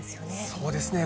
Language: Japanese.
そうですね。